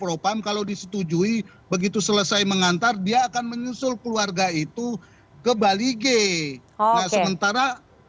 propam kalau disetujui begitu selesai mengantar dia akan menyusul keluarga itu ke bali g nah sementara